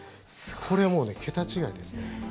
これは、もう桁違いですね。